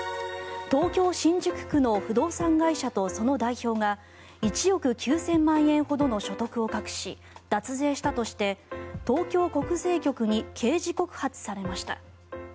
東京・新宿区の不動産会社とその代表が１億９０００万円ほどの所得を隠し、脱税したとして東京国税局に刑事告発されました。